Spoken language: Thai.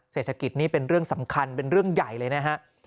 เศรษฐกิจนี่เป็นเรื่องสำคัญเป็นเรื่องใหญ่เลยนะฮะ